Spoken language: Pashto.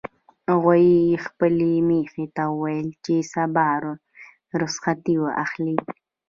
غویي خپلې میښې ته وویل چې سبا به رخصتي اخلي.